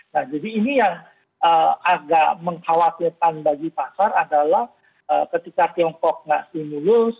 nah jadi ini yang agak mengkhawatirkan bagi pasar adalah ketika tiongkok nggak stimulus